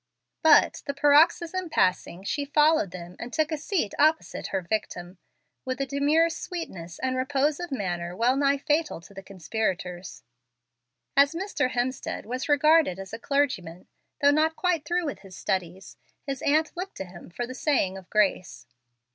But, the paroxysm passing, she followed them and took a seat opposite her victim, with a demure sweetness and repose of manner well nigh fatal to the conspirators. As Mr. Hemstead was regarded as a clergyman, though not quite through with his studies, his aunt looked to him for the saying of grace.